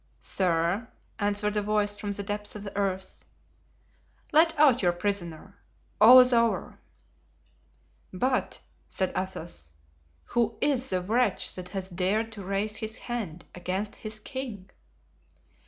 "Sir," answered a voice from the depths of the earth. "Let out your prisoner. All is over." "But," said Athos, "who is the wretch that has dared to raise his hand against his king?"